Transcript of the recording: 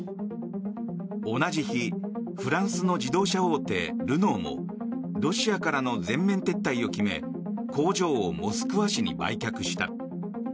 同じ日、フランスの自動車大手ルノーもロシアからの全面撤退を決め向上をモスクワ市に売却した。